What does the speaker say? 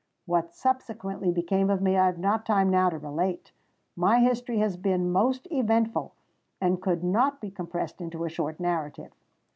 What subsequently became of me I have not time now to relate; my history has been most eventful, and could not be compressed into a short narrative.